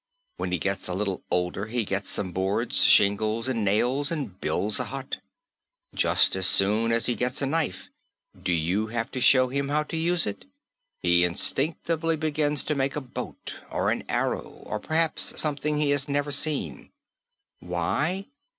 When he gets a little older he gets some boards, shingles and nails and builds a hut. Just as soon as he gets a knife, do you have to show him how to use it? He instinctively begins to make a boat or an arrow or perhaps something he has never seen. Why?